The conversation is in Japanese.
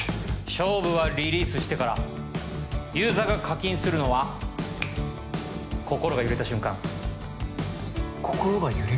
勝負はリリースしてからユーザーが課金するのは心が揺れた瞬間心が揺れる？